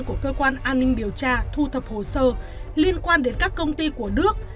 của cơ quan an ninh điều tra thu thập hồ sơ liên quan đến các công ty của đức